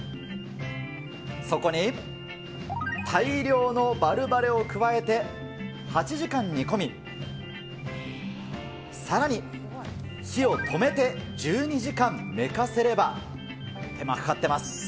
そこに大量のバルバレを加えて、８時間煮込み、さらに、火を止めて１２時間寝かせれば、手間かかってます。